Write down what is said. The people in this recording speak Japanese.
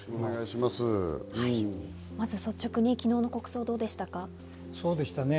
まず率直に昨日の国葬どうでしたか？